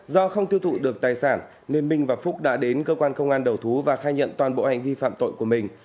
do không tiêu thụ được tài sản nên minh và phúc đã đến cơ quan công an đầu thú và khai nhận toàn bộ hành vi phạm tội của mình